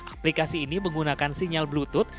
aplikasi ini menggunakan sinyal bluetooth